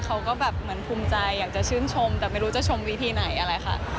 เขาก็แบบเหมือนภูมิใจอยากจะชื่นชมแต่ไม่รู้จะชมวิธีไหนอะไรค่ะ